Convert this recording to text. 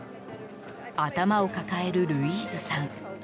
頭を抱えるルイーズさん。